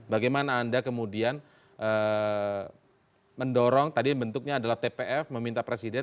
bagaimana anda kemudian mendorong tadi bentuknya adalah tpf meminta presiden